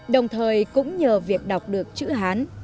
đồng thời cũng nhờ việc đọc được chữ hán